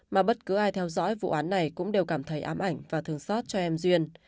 mà bất cứ ai theo dõi vụ án này cũng đều cảm thấy ám ảnh và thường xót cho em duyên